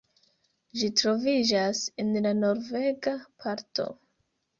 Ĝi troviĝas en la norvega parto.